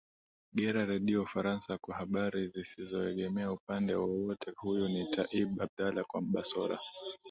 gera redio ufaransa kwa habari zisioengemea upande wowote huyu ni taib abdala kwambasora